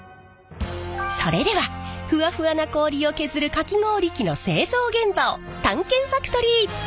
それではふわふわな氷を削るかき氷機の製造現場を探検ファクトリー！